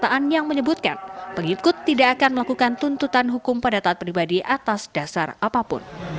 pernyataan yang menyebutkan pengikut tidak akan melakukan tuntutan hukum pada taat pribadi atas dasar apapun